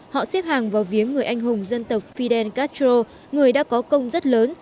họ xếp hàng vào viếng người anh hùng dân tộc fidel castro người đã có công rất lớn